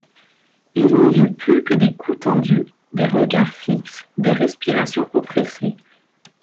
Il n'y eut plus que des cous tendus, des regards fixes, des respirations oppressées.